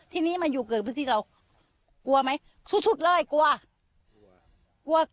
ทีนี้มาอยู่เกิดพื้นที่เรากลัวไหมสุดสุดเลยกลัวกลัว